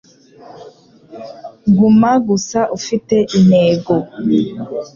Guma gusa ufite intego.